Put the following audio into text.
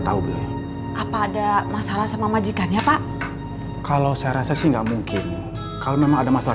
tahu dulu apa ada masalah sama majikannya pak kalau saya rasa sih enggak mungkin kalau memang ada masalah